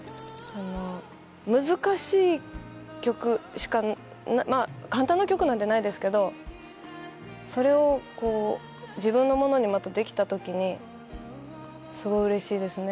難しい曲しか簡単な曲なんてないですけどそれを自分のものにまたできた時にすごい嬉しいですね。